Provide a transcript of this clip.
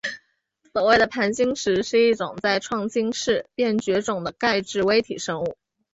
所谓的盘星石是一种在始新世便绝种的钙质微体生物。